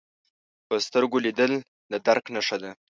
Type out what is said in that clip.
په سترګو لیدل د درک نښه ده